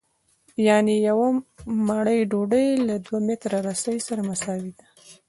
یانې یوه مړۍ ډوډۍ له دوه متره رسۍ سره مساوي ده